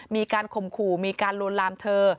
มีการข่มขู่มีการลวนลามเธอ